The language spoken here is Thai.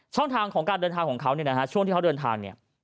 ช่องทางของการเดินทางของเขาช่วงที่เขาเดินทาง